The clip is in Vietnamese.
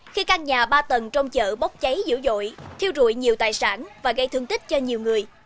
khi căn nhà ba tầng trong chợ bốc cháy dữ dội thiêu rụi nhiều tài sản và gây thương tích cho nhiều người